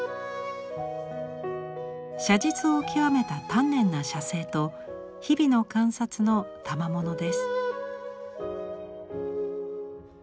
写実を極めた丹念な写生と日々の観察のたまものです。